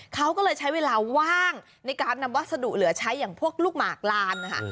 เขาก็เลยใช้เวลาว่างในการนำวัสดุเหลือใช้อย่างพวกลูกหมากลานนะคะ